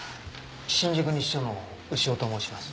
新宿西署の牛尾と申します。